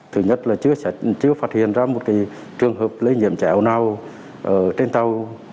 thứ nhất là chưa phát hiện ra một trường hợp lây nhiễm chạy ẩu nào trên tàu